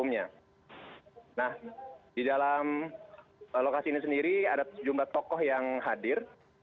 nah di dalam lokasi ini sendiri ada sejumlah tokoh yang hadir